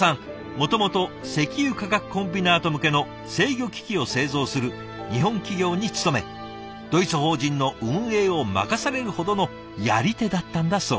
もともと石油化学コンビナート向けの制御機器を製造する日本企業に勤めドイツ法人の運営を任されるほどのやり手だったんだそうです。